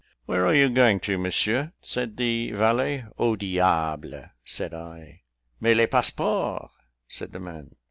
"Where are you going to, Monsieur?" said the valet. "Au diable!" said I. "Mais les passeports?" said the man.